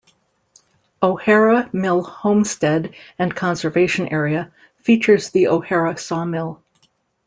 O'Hara Mill Homestead and Conservation Area features the O'Hara Sawmill.